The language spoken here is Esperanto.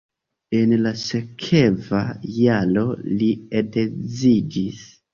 En la sekva jaro li edziĝis.